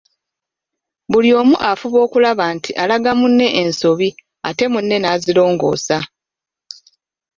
Buli omu afuba okulaba nti alaga munne ensobi ate ne munne nazirongoosa.